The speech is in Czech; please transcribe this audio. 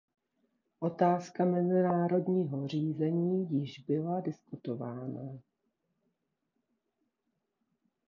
Otázka mezinárodního řízení již byla diskutována.